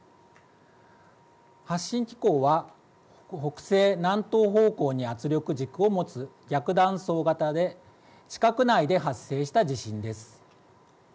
発震機構は北西南東方向に圧力軸をもつ逆断層型で地殻内で発生した地震です。